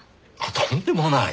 とんでもない！